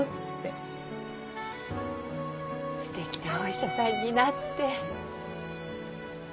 素敵なお医者さんになって。